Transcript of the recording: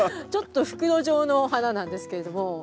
ちょっと袋状の花なんですけれども。